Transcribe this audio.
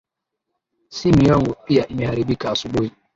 Simu yangu pia imeharibika asubuhi